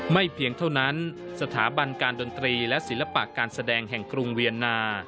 เพียงเท่านั้นสถาบันการดนตรีและศิลปะการแสดงแห่งกรุงเวียนนา